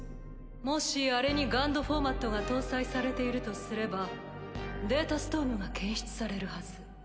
もしあれにＧＵＮＤフォーマットが搭載されているとすればデータストームが検出されるはず。